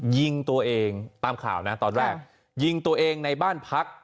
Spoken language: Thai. ยิงตัวเองตามข่าวนะตอนแรกยิงตัวเองในบ้านพัก